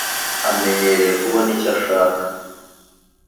amenyereye kubona icyo ashaka.